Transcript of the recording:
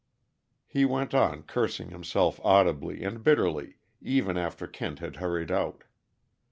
He went on cursing himself audibly and bitterly, even after Kent had hurried out.